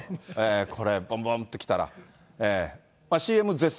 これ、ぼんぼんって来たら。